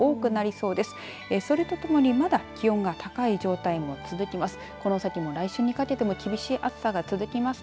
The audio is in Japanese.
それとともに、まだ気温が高い状態も続きます。